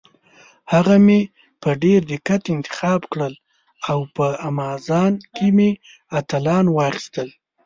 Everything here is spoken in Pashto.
هغه مې په ډېر دقت انتخاب کړل او په امازان کې مې انلاین واخیستل.